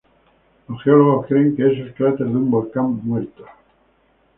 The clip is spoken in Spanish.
Los geólogos creen que es el cráter de un volcán muerto.